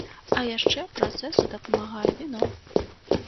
А яшчэ працэсу дапамагае віно!